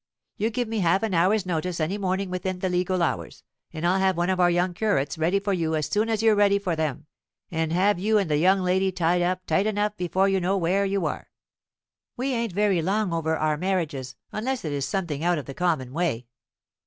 You give me half an hour's notice any morning within the legal hours, and I'll have one of our young curates ready for you as soon as you're ready for them; and have you and the young lady tied up tight enough before you know where you are. We ain't very long over our marriages, unless it is something out of the common way."